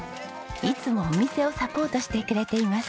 いつもお店をサポートしてくれています。